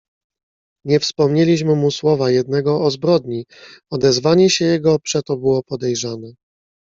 "Nie wspomnieliśmy mu słowa jednego o zbrodni, odezwanie się jego przeto było podejrzane."